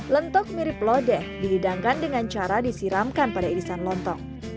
lentok mirip lodeh dihidangkan dengan cara disiramkan pada irisan lontong